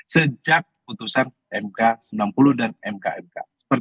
sejak putusan mk sembilan puluh dan mkmk